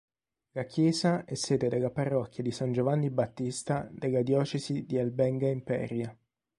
La chiesa è sede della parrocchia di San Giovanni Battista della diocesi di Albenga-Imperia.